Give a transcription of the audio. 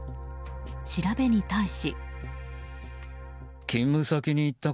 調べに対し。